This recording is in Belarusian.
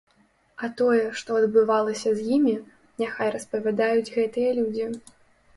А тое, што адбывалася з імі, няхай распавядаюць гэтыя людзі.